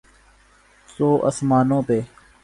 تو آسمانوں پہ۔